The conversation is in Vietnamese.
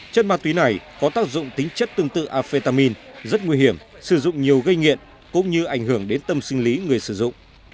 chất ma túy này có tác dụng tính chất tương tự afetamin rất nguy hiểm sử dụng nhiều gây nghiện cũng như ảnh hưởng đến tâm sinh lý người sử dụng